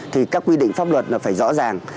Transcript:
thì các quy định pháp luật là phải rõ ràng